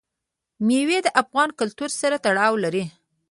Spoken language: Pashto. مېوې د افغان کلتور سره تړاو لري.